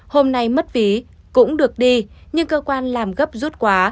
hôm nay mất ví cũng được đi nhưng cơ quan làm gấp rút quá